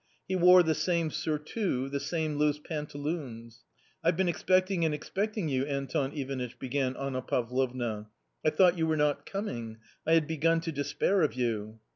He wore the same surtout, the same loose panta loons. " I've been expecting and expecting you, Anton Ivanitch," began Anna Pavlovna. " I thought you were not coming. I had begun to despair of you."